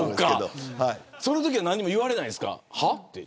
そのときは何も言われないですか。